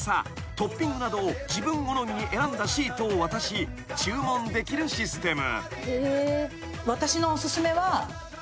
トッピングなどを自分好みに選んだシートを渡し注文できるシステム］